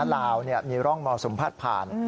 ลาวมีร่องมรสุมพัดผ่าน